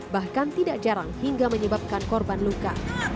bahkan tidak jarang hingga menyebabkan korban luka